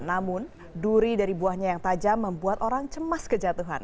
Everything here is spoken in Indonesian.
namun duri dari buahnya yang tajam membuat orang cemas kejatuhan